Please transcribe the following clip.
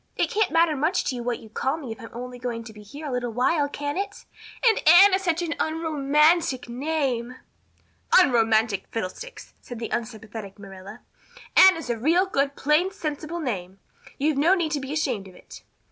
It can't matter much to you what you call me if I'm only going to be here a little while, can it? And Anne is such an unromantic name." "Unromantic fiddlesticks!" said the unsympathetic Marilla. "Anne is a real good plain sensible name. You've no need to be ashamed of it."